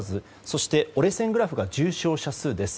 そして、折れ線グラフが重症者数です。